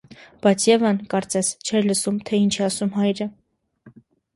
Բայց Եվան, կարծես, չէր լսում, թե ինչ է ասում հայրը: